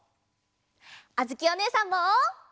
あづきおねえさんも。